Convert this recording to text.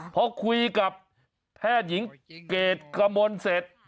พอคุยกับแพทย์หญิงเกรดกมลเสร็จ